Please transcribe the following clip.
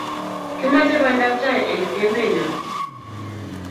kimache pandaab tai en emenyon